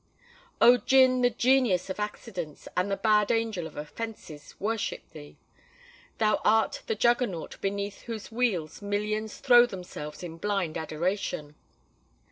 O GIN! the Genius of Accidents and the Bad Angel of Offences worship thee! Thou art the Juggernaut beneath whose wheels millions throw themselves in blind adoration.